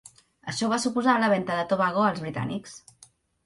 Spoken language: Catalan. Això va suposar la venta de Tobago als britànics.